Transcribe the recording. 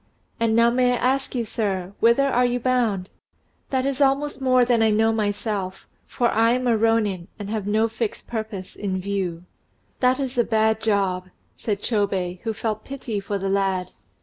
"And now may I ask you, sir, whither you are bound?" "That is almost more than I know myself, for I am a rônin, and have no fixed purpose in view." "That is a bad job," said Chôbei, who felt pity for the lad.